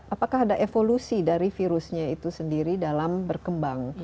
apakah ada evolusi dari virusnya itu sendiri dalam berkembang